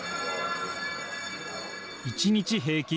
１日平均